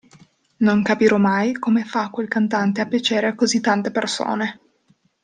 Non capirò mai come fa quel cantante a piacere a così tante persone!